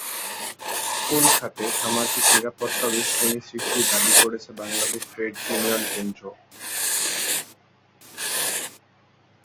কোন খাতে সামাজিক নিরাপত্তা বেষ্টনী সৃষ্টির দাবি করেছে বাংলাদেশ ট্রেড ইউনিয়ন কেন্দ্র?